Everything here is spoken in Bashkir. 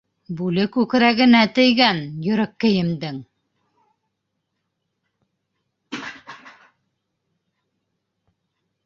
Бүле күкрәгенә тейгән, йөрәккәйемдең.